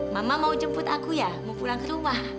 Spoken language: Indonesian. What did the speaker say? mama mau jemput aku ya mau pulang ke rumah